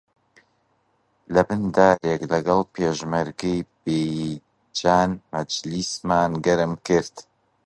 لەبن دارێک لەگەڵ پێشمەرگەی بێجان مەجلیسمان گەرم کرد